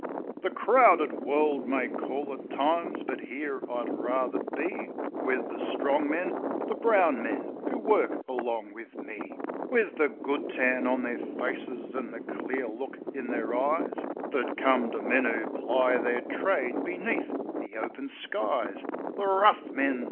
The crowded world' may call at times, but here I'd rather be. With the strong men, the brown men, who work along with me; With the good tan on their faces an' the clear look in their eyes That come to men who ply their trade beneath the open skies : The rough men.